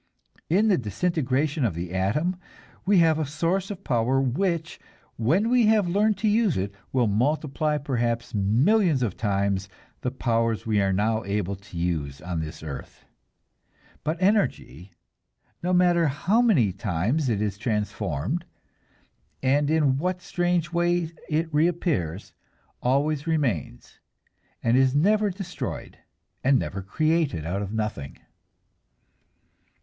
In the disintegration of the atom we have a source of power which, when we have learned to use it, will multiply perhaps millions of times the powers we are now able to use on this earth. But energy, no matter how many times it is transformed, and in what strange ways it reappears, always remains, and is never destroyed, and never created out of nothing.